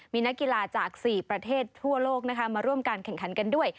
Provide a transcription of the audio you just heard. มีนักกีฬาจาก๔ประเทศทั่วโลกนะคะมาร่วมการแข่งขันกันด้วย